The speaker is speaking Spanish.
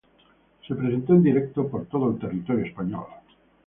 Se presentó en directo por todo el territorio español.